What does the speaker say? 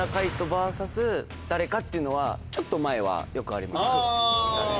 っていうのはちょっと前はよくありました。